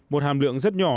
một hàm lượng rất nhỏ